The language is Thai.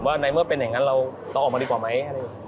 ว่าไหนเมื่ออะไรแล้วเราตอบมาดีกว่าไหม